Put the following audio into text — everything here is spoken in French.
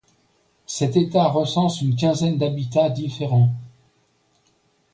Cet état recense une quinzaine d’habitats différents.